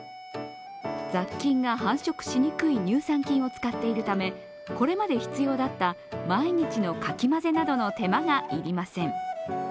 雑菌が繁殖しにくい乳酸菌を使っているためこれまで必要だった毎日のかき混ぜなどの手間がいりません。